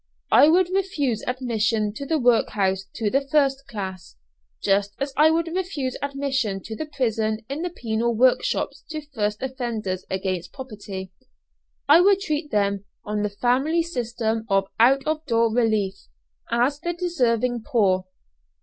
I would refuse admission to the workhouse to the first class, just as I would refuse admission to the prison in the penal workshops to first offenders against property. I would treat them, on the family system of out of door relief, as the deserving poor.